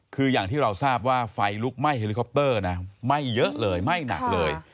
คืออย่างที่เราทราบว่าไฟลุกไหม้เฮลิคอปเตอร์นะไหม้เยอะเลยไหม้หนักเลย